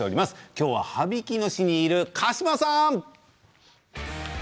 今日は羽曳野市にいる鹿島さん。